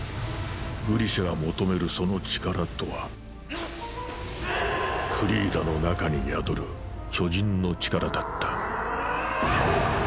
グリシャが求めるその力とはフリーダの中に宿る巨人の力だった。